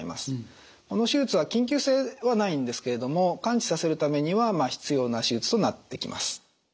この手術は緊急性はないんですけれども完治させるためには必要な手術となってきます。